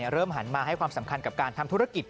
หันมาให้ความสำคัญกับการทำธุรกิจ